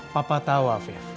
papa tahu afif